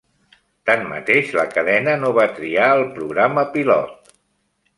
Tanmateix, la cadena no va triar el programa pilot.